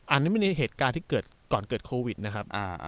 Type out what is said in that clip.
อันนี้มันในเหตุการณ์ที่เกิดก่อนเกิดโควิดนะครับ